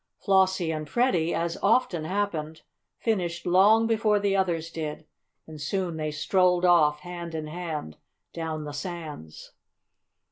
Flossie and Freddie, as often happened, finished long before the others did, and soon they strolled off, hand in hand, down the sands.